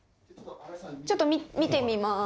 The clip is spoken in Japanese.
ちょっと見てみます。